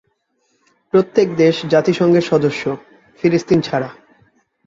প্রত্যেক দেশ জাতিসংঘের সদস্য, ফিলিস্তিন ছাড়া।